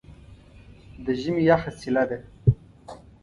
د ژمي یخه څیله ده.